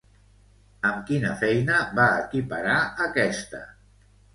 Amb quina feina va equiparar aquesta?